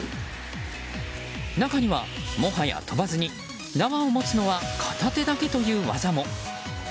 中には、もはや跳ばずに縄を持つのは片手だけという技も。